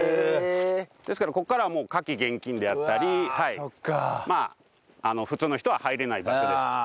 ですからここからはもう火気厳禁であったり普通の人は入れない場所です。